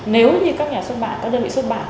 nếu như các nhà xuất bản các đơn vị xuất bản